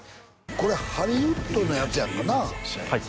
これハリウッドのやつやんかなあ